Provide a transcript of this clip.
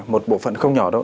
một bộ phận không nhỏ đâu